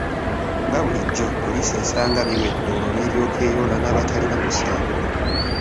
Nga bulijjo poliisi esanga biwedde olwo n’eryoka eyoola n’abatalina musango.